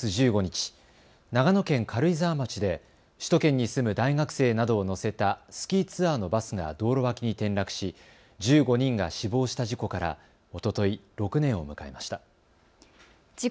平成２８年１月１５日、長野県軽井沢町で首都圏に住む大学生などを乗せたスキーツアーのバスが道路脇に転落し１５人が死亡した事故から、おととい６年を迎えました。